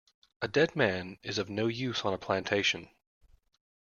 A dead man is of no use on a plantation.